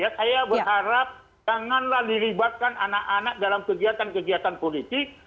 saya berharap janganlah diribatkan anak anak dalam kegiatan kegiatan politik